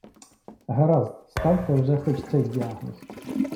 Гаразд, ставте вже хоч цей діагноз.